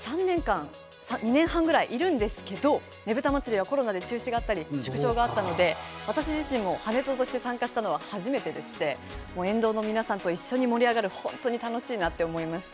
２年半ぐらいいるんですけれどもねぶた祭はコロナで中止があったり縮小があったので私自身が跳人に参加したのは初めてでして、沿道の皆さんと一緒に盛り上がると本当に楽しいなと思いました。